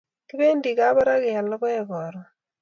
kipendi Kabarak keyal lokoek karun